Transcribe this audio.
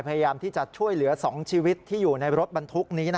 พยายามที่จะช่วยเหลือ๒ชีวิตที่อยู่ในรถบรรทุกนี้